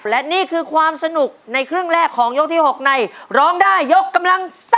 และนี่คือความสนุกในครึ่งแรกของยกที่๖ในร้องได้ยกกำลัง๓